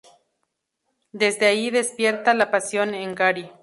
Desde ahí despierta la pasión en Gary.